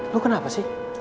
lo kenapa sih